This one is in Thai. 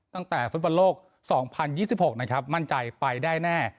ตั้งแต่ฟุตบอลโลก๒๐๒๖นะครับมั่นใจไปได้แน่